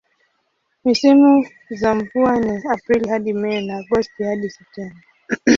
Misimu za mvua ni Aprili hadi Mei na Agosti hadi Septemba.